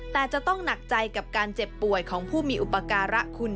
แต่จะต้องหนักใจกับการเจ็บป่วยของผู้มีอุปการะคุณ